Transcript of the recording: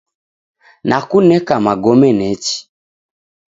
Nakuneka magome nechi.